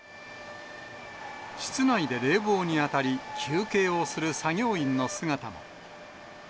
室内で冷房に当たり、休憩をする作業員の姿も。